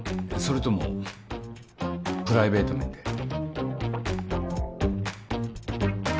それともプライベート面で？